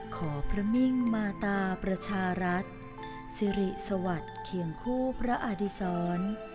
ขอพระมิ่งมาตาประชารัฐสิริสวัสดิ์เคียงคู่พระอดิษร